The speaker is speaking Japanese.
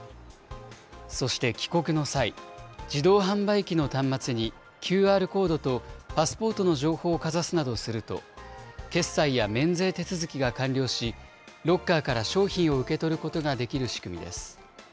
そして帰国の際、自動販売機の端末に、ＱＲコードとパスポートの情報をかざすなどすると、決済や免税手続きが完了し、ロッカーから商品を受け取ることができる仕組みです。